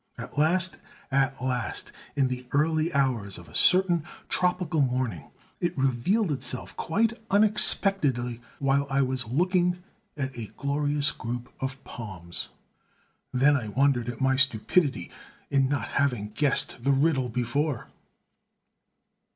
At last, at last, in the early hours of a certain tropical morning, it revealed itself quite unexpectedly, while I was looking at a glorious group of palms. Then I wondered at my stupidity in not having guessed the riddle before.